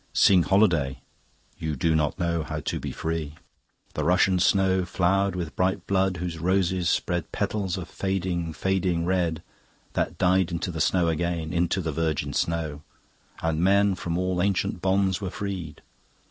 Sing Holiday! You do not know How to be free. The Russian snow Flowered with bright blood whose roses spread Petals of fading, fading red That died into the snow again, Into the virgin snow; and men From all ancient bonds were freed.